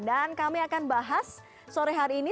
dan kami akan bahas sore hari ini